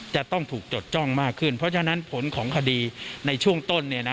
จะต้องถูกจดจ้องมากขึ้นเพราะฉะนั้นผลของคดีในช่วงต้น